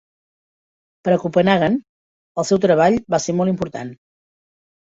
Per a Copenhaguen el seu treball va ser molt important.